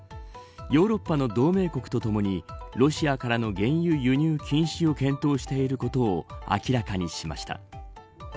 ヨーロッパの同盟国とともにロシアからの原油輸入禁止を検討していることを明らかにしました。